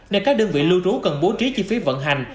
nên các đơn vị lưu trú cần bố trí chi phí vận hành